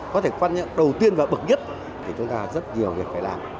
có thể quan nhận đầu tiên và bậc nhất thì chúng ta rất nhiều việc phải làm